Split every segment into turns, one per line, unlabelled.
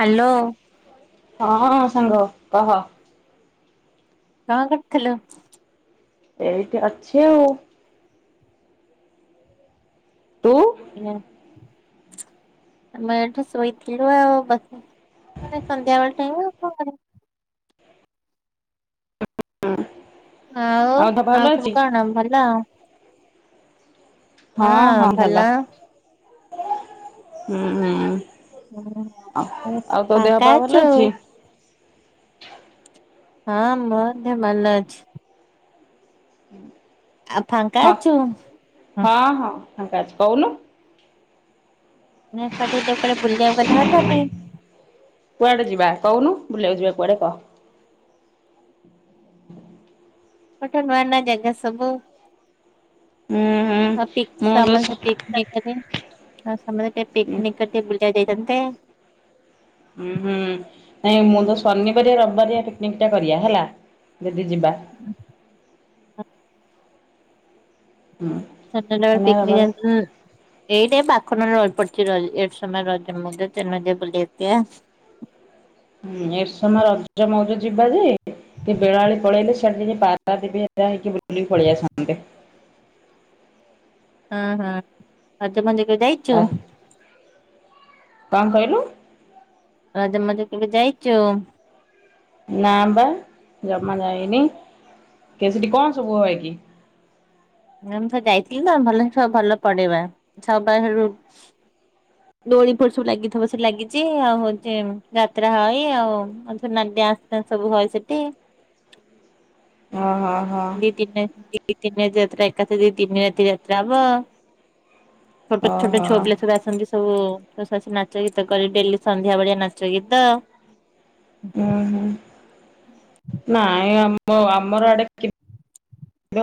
Hello.
ହଁଁ ହଁ ସାଙ୍ଗ କହ।
କଣ କରଥିଲୁ?
ଏଇଠି ଅଛି ଆଉ। ତୁ?
ଆମେ ଏଠୁ ଶୋଇଥିଲୁ ଆଉ ବ ସନ୍ଧ୍ୟାବେଳ ଟାଇମ୍ ଆଉ କଣ କ ଆଉ
ତ ଭଲ
ଆଉ ସବୁ
ଅଛି
କଣ ଭଲ?
ହଁ ହଁ ଭଲ। ହୁଁ ହୁଁ। ଆ
ହୁଁ,
ଆଉ ତୋ ଦେହ
ଫାଙ୍କା
ପା
ଅଛୁ
ଭଲ ଅଛି ନା?
ହଁ ହଁ ଦେହ ଭଲ ଅଛି। ଆଉ ଫାଙ୍କା
ହଁ
ଅଛୁ?
ହଁ ହଁ ଫାଙ୍କା ଅଛି। କହୁନୁ?
ନା ସେଠାଦେ କୁଆଡେ ବୁଲିବାକୁ ଗଲେ ହୁଅନ୍ତାନି? [unintelligible]
କୁଆଡେ ଯିବା କହୁନୁ? ବୁଲିବାକୁ ଯିବା କୁଆଡେ। [inaudible]
ପଠେ ନୂଆ ନୂଆ ଜାଗା ସବୁ
ହୁଁ ହୁଁ
ପିକ
ମୁଁ ତ
ସମସ୍ତେ ପି କେତେଦିନ ସମସ୍ତେ ଟିକେ
ହୁଁ
ପିକିନିକ୍ ଟିକେ ବୁଲିବା ଯାଇଥାନ୍ତେ।
ଉୁଁ ହୁଁ ନାଇଁ ମୁଁ ତ ଶନିବାରିଆ ରବିବାରିଆ ପିକନିକ୍ ଟା କରିବା ହେଲା। ଯଦି ଯିବା [unintelligible] ହୁଁ
ସର
ଶନିବାର
ପିକନିକ
ରବିବାର
ଯଁ [unintelligible] ଏଇଟ ବାଖନରେ ରହି ପଡିଛି ଏଠ ସମୟ ରଜ ମୁନ ବ [unintelligible]
ଏର୍ସମା ରଜ ମଉଜ ଯିବା ଯେ କି ବେଳାବେଳି ପଳେଇଲେ ସିଆଡେ ଟିକେ ପାର୍କ ହେଇ କି ବୁଲିକି ପଳିଆସନ୍ତେ।
ହଁ ହଁ ଆ ମଞଜକୁ ଯାଇ [unintelligible]
ଆ କଣ କହିଲୁ?
ରଜ ମଜ କେବେ ଯାଇଛୁ?
ନାଁ ବା ଜମା ଯାାଇନି। କେ ସେଠି କଣ ସବୁ ହ ଏ?
ମୁଁ ତ ଯାଇଥିଲି ତମେ ଭଲ ଭଲ ପଢେଇବା ସ ବାରୁ ଦୋଳି ଫୋଳି ସବୁ ଲାଗିଥିବ ସେ ଲାଗିଛି ଆଉ ହଉଛି ଯାତ୍ରା ହଇ ଆଉ ସବୁ ହଏ ସେଠି
ଓହୋ ହୋ
ଦି ତିନ ନି ଯାତ୍ରା ଏକାଥରେ ତିନି ରାତି ଯାତ୍ରାହବ। ଛୋଟ ଛୋଟ
ଓହୋ।
ଛୁଆପିଲା ସବୁ ଆସନ୍ତି। ହୋ ସବୁ ନାଚ ଗୀତ କରେ ଡେଲି ସନ୍ଧ୍ୟା ଭଳିଆ ନାଚ ଗୀତ।
ହୁଁ ହୁଁ ନାଇଁ ଆମ ଆମର ଆଡେ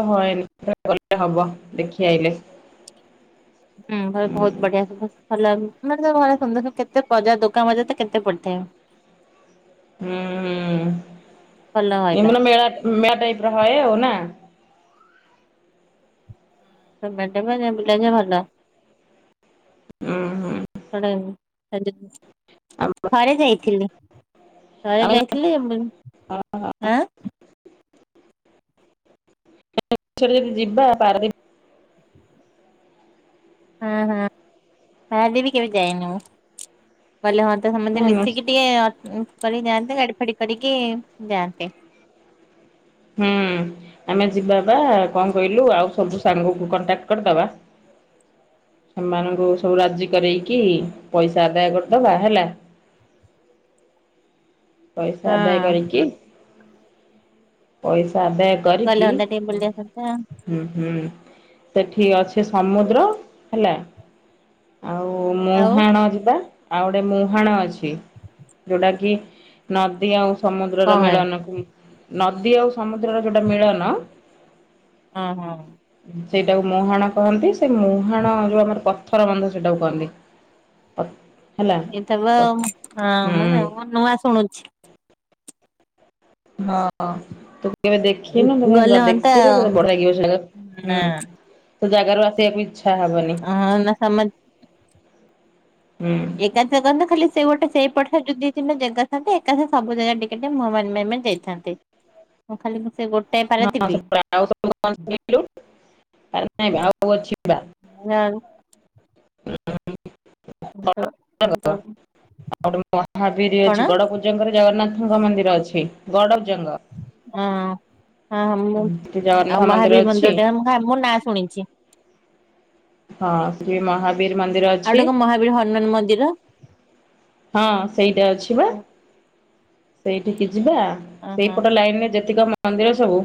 ହଏନି ଗଲେ ହବ ଦେଖି ଆଇଲେ।
ହୁଁ ବହୁତ ବଢିଆ। ଭଲ ମାନେ ଭଲ ସୁନ୍ଦର କେତେ ବଜାର ଦୋକାନ ବଜାର ତ କେତେ ପଡ଼ିଥାଏ।
ହୁଁ ହୁଁ
ଭଲ ହଇବା
ଏମାନେ ମେଳା ମେଳା ଟାଇପ୍ ର ହଏ ଆଉ ନା?
ତମେ ବୁଲ ଯେ ଭଲ [unintelligible]
ଉଁ ହୁଁ।
ପ [inaudible] ଥରେ ଯାଇଥିଲି ଥରେ
ଆମେ
ଯାଇଥିଲି। ଆଁ
ଟ ଯଦ ଯିବା ପାର [unintelligible]
ହଁ ହଁ ପାରାଦୀପ ବି କେବେ ଯାଇନି ମୁଁ ଗଲେ ହ ସମସ୍ତେ
ପାରାଦୀପ
ମିଶିକି ଟିକେ କରିକି ଯାଆନ୍ତେ ଗାଡି ଫାଡି କରିକି ଯାଆନ୍ତେ।
ହୁଁ। ଆମେ ଯିବା ବା କଣ କହିଲୁ ଆଉ ସବୁ ସାଙ୍ଗକୁ କଣ୍ଟାକ୍ଟ କରିଦବା। ସେମାନଙ୍କୁ ସବୁ ରାଜି କରରେଇକି ପଇସା ଆଦାୟ କରିଦବା ହେଲା? ପଇସା
ହଁ
ଆଦାୟ କରିକି ପଇସା ଆଦାୟ
ଗଲେ
କରିକି
ହନ୍ତା ଟିକେ ବୁଲି ଆସନ୍ତା
ହୁଁ ହୁଁ। ସେଠି ଅଛି ସମୁଦ୍ର ହେଲା? ଆଉ
ଆଉ
ମୁହାଣ ଯିବା। ଆଉ ଗୋଟେ ମୁହାଣ ଅଛି ଯୋଉଟା କିି ନଦୀ ଆଉ ସମୁଦ୍ରର
କଣ ହଏ
ମିଳନକୁ ନଦୀ ଆଉ ସମୁଦ୍ରର ଯୋଉଟା ମିଳନ।
ହଁ ହଁ।
ସେଇଟାକୁ ମୁହାଣ କହନ୍ତି ସେ ମୁହାଣ ଯୋଉ ଆମର ପଥର ବନ୍ଧ ସେଇଟାକୁ କୁହନ୍ତି। ହଁ।
ଏଇତ ବା ହଁ ନୂଆ ଶୁଣୁଛି।
ହଁ ଅ। କେବେ ଦେଖି ନା
ଗଲେ ହନ୍ତା
ଦେଖି
ଆଉ।
ବଢିଆ ଲାଗିବ ସେ ଜାଗା
ନା
ହୁଁ। ତ ଜାଗାରୁ ଆସିବାକୁ ଇଛା ହବନି
ହଁ ନା ସମ
ହୁଁ।
ଏକା ଜା ଖାଲି ସେଇ ଗୋଟେ ସେଇ ପ ଯ ଦି ତିନି ଜାଗାଥାନ୍ତା ଏକା ସବୁ ଜାଗା ଟିକେ ଟିକେ ମୁହଁ ମାରି ମାରି ଯାଇଥାନ୍ତେ। ଥାନ୍ତି ମୁଁ ଖାଲି ସେ ଗୋଟେ
[unintelligible] ନାଇଁ ଆଉ ଅଛି ବା। ଆଉ ଗୋଟେ [unintelligible] ମହାବିର
କଣ
ଅଛି ଗଡପ ଜଙ୍ଗରେ ଜଗନ୍ନାଥଙ୍କ ମନ୍ଦିର ଅଛି ଗଡବ ଜଙ୍ଗ।
ହଁ ହଁ ହ ମୁଁ
ସେଠି
ଆଉ
ଜଗନ୍ନାଥ
ମହାବୀର
ଅଛି
ମନ୍ଦିର ଟେ ମୁ ମୋ ନାଁ ଶୁଣିଛି।
ହଁ ଶ୍ରୀ ମହା ବି ମନ୍ଦିର ଅ
ଆଉ ଗୋଟେ କଣ ମହାବୀର ହନୁମାନ ମନ୍ଦିର?
ହଁ ସେଇଟା ଅଛି ବା ସେଇଠିକି ଯିବା
ଓହୋ
ସେଇପଟ ଲାଇନ ରେ ଯେତିକ ମନ୍ଦିର ସବୁ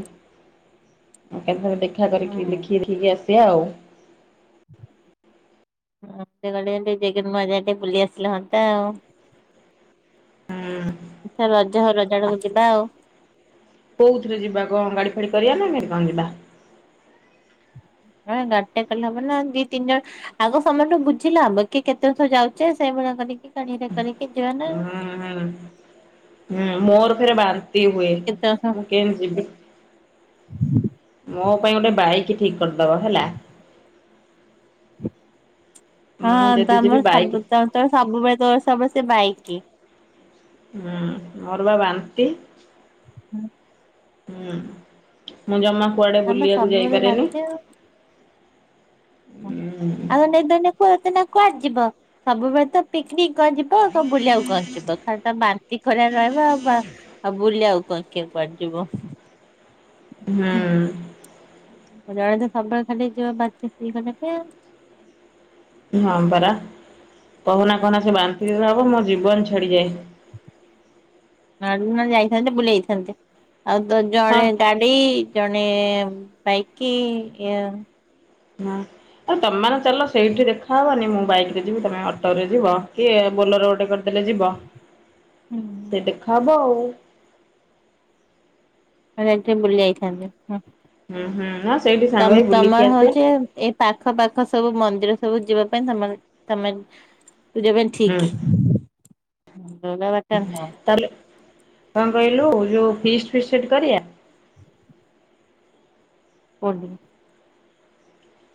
ଆ କେତେଥରେ ଦେଖା କରିକି ଦେଖି ଦେଖିକି ଆସିବା ଆଉ।
[unintelligible] ମଝିରେ ଟେ ବୁଲି ଆସିଲା ହନ୍ତା ଆଉ।
ହୁଁ।
ଏ ରଜ ହଉ ରଜା ଆଡାକୁ ଯିବା ଆଉ।
କୋଉଥିରେ ଯିବା କଣ ଗାଡି ଫାଡି କରିବା ନା କେମିତି କଣ ଯିବା?
ହଁ ଗାଡ଼ିଟିଏ କଲେ ହବ ନାଁ ଦି ତିନି ଜଣ ଆଗ ସମସ୍ତଠୁ ବୁଝିଲେ ହବ କିଏ କେତେ ବର୍ଷ ଯାଉଛେ ସେଇଭଳିଆ କରିକି କରିିକି ଯିବା
ହୁଁ
ନାଇଁ
ହୁଁ ମୋର ଫେରେ ବାନ୍ତି ହୁଏ
କିଏ କେତେ
ମୁଁ କେମତି ଯିବି?
ହୁଁ।
ମୋ ପାଇଁ ଗୋଟେ ବାଇକ୍ ଠିକ କରିଦବ ହେଲା? ମୁଁ
ହଁ
ଯଦି
ତମର
ଯିବି ବାଇକ୍
ସବୁ ତ ତୋ ସବୁବେଳେ ତୋର ସବୁଳେ ସେ ବାଇକ କି
ହୁଁ ମୋର ବା ବାନ୍ତି। ହୁଁ ମୁଁ ଜମା କୁଆଡେ
ଆମେ
ବୁଲିବାକୁ
ସବୁବେଳେ
ଯାଇପାରେନି।
ବାଧ୍ୟ ଆଉଦ କୁହ ନା କୁଆଡେ ଯିବ ସବୁବେଳେ ତ ପିକନିକ କ ଯିବ କ କଣ ବୁଲିବାକୁ କହି ଯିବ ଖା ତା ବାନ୍ତି ଖରିଆ ରହିବ ଵା ଆଉ ଆଉ ବୁଲି ଆଉ କଣ କିଏ ଯିବ।
ହୁଁ।
ଜଣେ ତ ସବଳ ଖାଲି ଯିବ ବା [unintelligible]
ହଁ ପରା। କହନା କହନା ସେ ବାନ୍ତି ଯେବେ ହବ ମୋ ଜୀବନ ଛଡିଯାଏ।
ହାଡୁନ ଯାଇଥାନ୍ତେ ବୁଲେଇଥାନ୍ତେ। ଆଉ ତ ଜଣେ
ହଁ
ଗାଡି ସେଇ ଜଣେ ବାଇକି
ନାଁ ଆରେ ତମେ ଚାଲ ସେଇଠି ଦେଖାହବନି, ମୁଁ ବାଇକ ରେ ଯିବି, ତମେ ଅଟୋ ରେ ଯିବ, କି ବୋଲେର ଗୋଟେ କରିଦେଲେ ଯିବ।
[inaudible]
ସେ ଦେଖା ହବ ଆଓ।
ମାନେ ଏ ଟେ ବୁଲି ଯାଇଥାନ୍ତନ୍ତି [unintelligible]
ହୁଁ ହୁଁ, ହଁ ସେଇଠି ସାଙ୍ଗ ହେଇକି ବୁଲିକି ଆସିବା।
ହଉଛି ଏଇ ପାଖ ପାଖ ସବୁ ମନ୍ଦିର ସବୁ ଯିବା ପାଇଁ ତମେ, ତମେ ତୁ ଯେବେ ଠିକ
ହୁଁ
[unintelligible]
ତାହେଲେ, କଣ କହିଲୁ, ଯୋଉ ଫିଷ୍ଟ ଫିଷ୍ଟ ସେଠି କରିବା?
ପର୍ ଦିନ।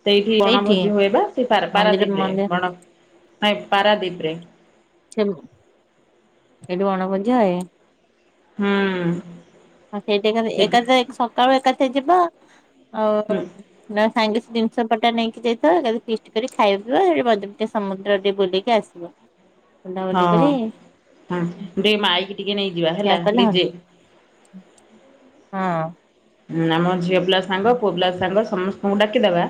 ସେଇଠି
ଏଇଠି
ବଣଭୋଜି ହୁଏ ବା। ସେଇ ପାରା
ମନ୍ଦିର
ପାରାଦୀପରେ
ମନ୍ଦିର
ବଣ ନାଇ ପାରାଦୀପରେ।
ଲ ଏଠୁ ଆଣ ବଜାଏ [unintelligible]
ହୁଁ।
ଆଉ ସେଇଠି ଏକାଥେ,
ସେଠି
ଏକାଥେ ସକାଳୁ ଏକାଥେ ଯିବା ଆଉ
ହୁଁ
ନ ସାଙ୍ଗେ ସେ ଜିନିଷ ପଟା ନେଇକି ଯାଇଥିବ, ଏକାଥରେ ଫିଷ୍ଟ କରିକି ଖାଇବ ପିବ ସେଠି ବ ସମୁଦ୍ର ଟିକେ ବୁଲିକି ଆସିବ। [inaudible]
ହଁ। ହୁଁ ଦେ ମାଈକି ଟିକେ ନେଇଯିବା ହେଲା ଡିଜେ।
ହଁ।
ହଁ ଆମ ଝିଅ ପିଲା ସାଙ୍ଗ ପୁଅ ପିଲା ସାଙ୍ଗ ସମସ୍ତେ ଙ୍କୁ ଡାକିଦବା।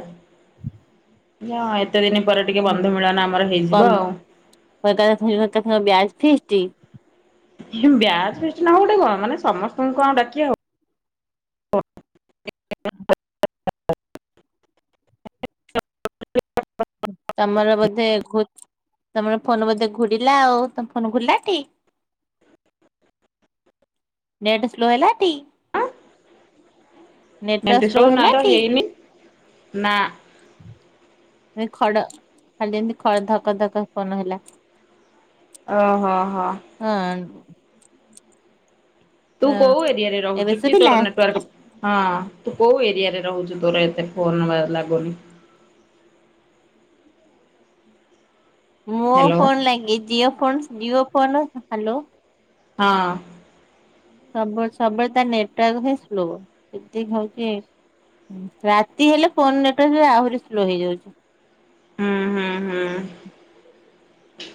ହଁ ଏତେ ଦିନ ପରେ ଟିକେ
ହଁ
ବନ୍ଧୁ ମିଳନ ଆମର ହେଇଯିବ ଆଉ।
[unintelligible] ବ ବ୍ୟାଜ ଫିଷ୍ଟ।
ବ୍ୟାଜ ଫିଷ୍ଟ ନ ଗଟେ କଣ ମାନେ ସମସ୍ତଙ୍କୁ କଣ ଆଉ ଡାକିି ହବ?
ତମର ବୋଧେ ଖୁ ତମର ଫୋନ ବୋଧେ ଘୁରିଲା ଆଉ, ତମ ଫୋନ ଘୁରିଲାଟି? ନେଟ ସ୍ଲୋ ହେଲାଟି?
ନେଟ ସ୍ଲୋ
ହେଲା
ନାଇତ
ଟି
ହେଇନି, ନା।
ଖଡ, ଖାଲି ଏମିତି ଖ ଧକ ଧକ ଫୋନ ହେଲା। [inaudible]
ଓ ହ ହ।
ହଁ।
ତୁ
ହଁ
କୋଉ ଏରିଆରେ
ଏବେ
ରହୁଛୁ କି,
ଶୁଭିଲା?
ତୋର ନେଟୱାର୍କ୍ ହଁ, ତୁ କୋଉ ଏରିଆରେ ରହୁଛୁ ତୋର ଏତେ ଫୋନ ଲାଗୁନି।
ମୋ
ହ୍ୟାଲୋ
ଫୋନ୍ ଲାଗେ, Jio phone Jio phone, hello.
ହଁ।
ସବୁ ସବୁବେଳେ ତା ନେଟୱାର୍କ ହିଁ ସ୍ଲୋ, ସେତିକି ହଉଛି। ରାତି ହେଲେ ଫୋନ ନେଟୱାର୍କ ଆହୁରି ସ୍ଲୋ ହେଇଯାଉଛି।
ହୁଁ ହୁଁ ହୁଁ।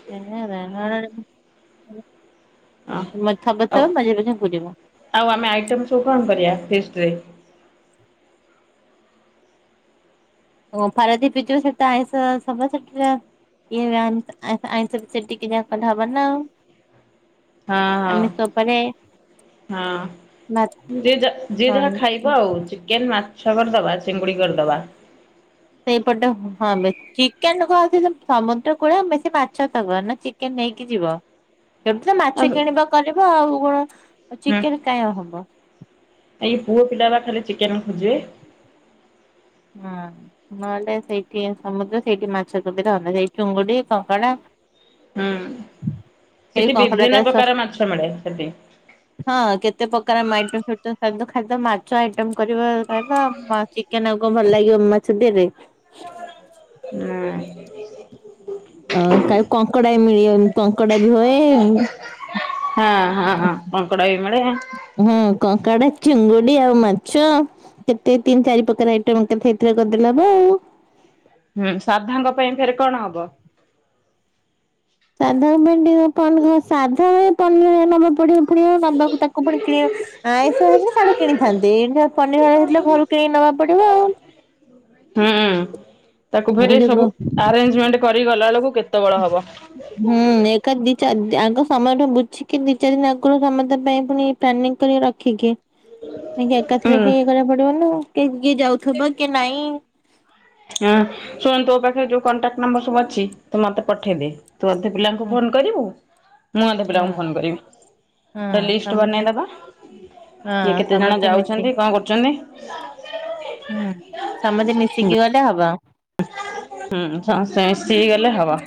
[unintelligible] ଥବଥବ
ଅ ଆଉ
ମଝିରେ ମଝିରେ ଘୁରିବ।
ଆଉ ଆମେ ଆଇଟମ ସବୁ କଣ କରିବା, ଫିଷ୍ଟରେ।
ଓ ପାରଦିପ ପିଜ ସେ ତ ଆଇଁଷ ସବ ସେଠ ଏ ଆଟି ଯ କଢବ ନା [unintelligible]
ହଁ ହଁ
ଆମେ [unintelligible]
ହଁ, ଯିଏ ଯାହା ଯିଏ ଯାହା
କଣ
ଖାଇବ ଆଉ। ଚିକେନ୍, ମାଛ କରିଦବା, ଚିଙ୍ଗୁଡ଼ି କରିଦବା।
ସେଇପଟ, ହଁ ବେ ଚିକେନ କ ସମୁଦ୍ର କୂଳ ବେଶି ମାଛ ଥବ ନା ଚିକେନ ନେଇକି ଯିବ। ସେଠୁ ତ ମାଛ
ଆଉ
କିଣିବା କରିବ, ଆଉ କଣ ଚିକେନ କାହିଁ ହବ?
ଆ ପୁଅ ପିଲା ପାଖରେ ଚିକେନ ଖୋଜିବେ।
ହଁ। ନହେଲେ, ସେଇଠି ସମୁଦ୍ର, ସେଇଠି ମାଛ ସୁବିଧା, [unintelligible] ସେଇ ଚୁଙ୍ଗୁଡି କଙ୍କଡା।
ହୁଁ,
ଏଇ
ସେଠି
କଙ୍କଡା
ବିଭିନ୍ନ
କାଳେ
ପ୍ରକାର
ଶସ୍ତା
ମାଛ ମିଳେ ସେଠି।
ହଁ, କେତେ ପ୍ରକାରଇ [unintelligible] ମାଛ ଆଇଟ କରିବା ଖାଇବା ଆଉ ଚିକେନ କ ଭଲ ଲାଗିବ ମ ମାଛ ଧେରେ।
[unintelligible]
ଅ କା କଙ୍କଡା ବି ମିଳିବ କଙ୍କଡା ବି ହୁଏ।
ହଁ, ହଁଁ, କଙ୍କଡା ବି ମିଳେ।
ହଁ, କଙ୍କଡା, ଚିଙ୍ଗୁଡି, ଆଉ ମାଛ। କେତେ ତିନି ଚାରି ପ୍ରକାର ଆଇଟମ କେତେ [unintelligible] ହବ ଆଉ?
ହୁଁ, ସାଧାଙ୍କ ପାଇଁ ଫେର କଣ ହବ?
[unintelligible] ଆଇଁଷ ହେଇଥିଲା ସାଡେ କିଣିଥାନ୍ତି। ଏ ପନିର ହେଇଥିଲା ଘରୁ କିଣିକି ନବା ପଡିବ ଆଉ।
ହୁଁ, ତାକୁ ଫେର ସବୁ ଆରେଞ୍ଜମେଣ୍ଟ କରି ଗଲାବେେଳକୁ କେତେ ବଳ ହବ?
ହୁଁ, ଏକା ଦି ଚାରି ଆଗ ସମୟଠୁ ବୁଝିକି ଦି ଚାରି ଦିନ ଆଗରୁ ସମୟ ପାଇଁ ପୁଣି ପ୍ଲାନିଂ କରି ରଖିକି। କାଇଁକି
ହୁଁ।
ଏକାଥରେ କି ଇଏ କରିବାକୁ ପଡିବନ, କି କିଏ ଯାଉଥିବ କି ନାଇଁ?
ହଁ, ଶୁଣନ୍ତୁ ତୋ ପାଖରେ ଯୋଉ କଣ୍ଟାକ୍ଟ ନମ୍ବର ସବୁ ଅଛି। ତ ମତେ ପଠେଇଦି। ତୁ ଅଧେ ପିଲାଙ୍କୁ
ହୁଁ
ଫୋନ୍ କରିବୁ। ମୁଁ ଅଧେ
ହୁଁ
ପିଲାଙ୍କୁ ଫୋନ କରିବି।
ହୁଁ
ଗୋଟେ ଲିଷ୍ଟ
ସମସ୍ତେ
ବନେଇଦବା।
ହଁ
କିଏ କେତେ ଜଣ
ସମସ୍ତେ ମିଶିକି
ଯାଉଛନ୍ତି କଣ କରୁଛନ୍ତି?
ହୁଁ, ସମସ୍ତେ ମିଶିକି ଗଲେ ହବ।
ହୁଁ, ସମସ୍ତେ ମିଶିକି ଗଲେ ହବ।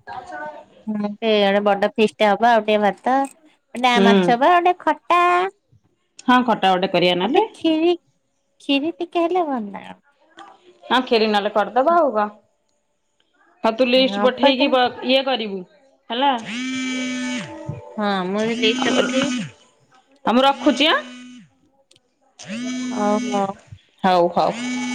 [inaudible]
ହୁଁ, ସେ ଆଡ଼େ ବଡ ଫିଷ୍ଟ ହବ। ଆଉ ଟିକେ ଭାତ, ଡାଁ
ହୁଁ
ମାଛ ହବ, ଆଉ ଟିକେ ଖ
ହଁ ଖଟା ଗୋଟେ କରିବା ନହେଲେ
ଆଉ ଖିରି ଖିରି ଟିକେ ହେଲେ ଭଲ।
ହଁ, କ୍ଷୀରୀ ନ ହେଲେ କରିଦବା ହଉ କଣ? ହଉ ତୁ ଲିଷ୍ଟ
ହବ କି
ପଠେଇକି ବା ଇଏ କରିବୁ ହେଲା। [unintelligible]
ହଁ, ମୁଁ ଲିଷ୍ଟ ଟା ପଠେଇବି।
ହଁ, ମୁଁ ରଖୁଛି ଆଁ। [unintelligible]
ହଉ ହୋ।
ହଉ ହଉ।